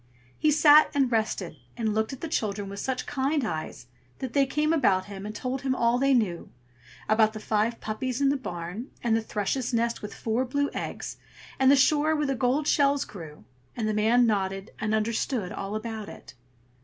He sat and rested, and looked at the children with such kind eyes that they came about him, and told him all they knew; about the five puppies in the barn, and the thrush's nest with four blue eggs, and the shore where the gold shells grew; and the man nodded and understood all about it.